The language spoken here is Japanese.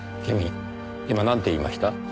君今なんて言いました？